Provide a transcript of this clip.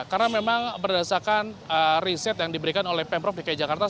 karena memang berdasarkan riset yang diberikan oleh pemprov dki jakarta